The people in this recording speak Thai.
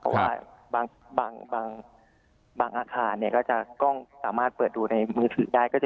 เพราะว่าบางอาคารเนี่ยก็จะกล้องสามารถเปิดดูในมือถือได้